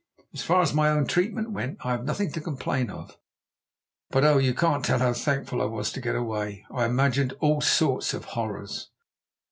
As far as my own treatment went, I have nothing to complain of. But oh, you can't tell how thankful I was to get away; I imagined all sorts of horrors."